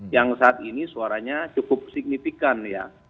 yang saat ini suaranya cukup signifikan ya